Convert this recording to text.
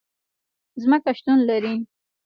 ځمکه شتون لري